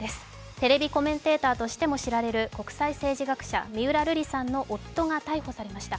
テレビコメンテーターとしても知られる国際政治学者三浦瑠麗さんの夫が逮捕されました。